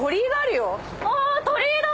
あ鳥居だ。